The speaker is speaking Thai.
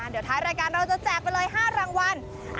เดี๋ยวท้ายรายการเราจะแจกไปเลย๕รางวัล